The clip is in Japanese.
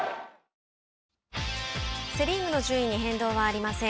セ・リーグの順位に変動はありません。